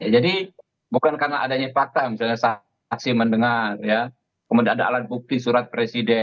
jadi bukan karena adanya fakta misalnya saksi mendengar kemudian ada alat bukti surat presiden